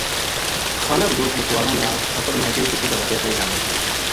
ِِِخانہ بدوش بکروالاں نا سفر ماکئی قِسم کا واقعہ پیش آوے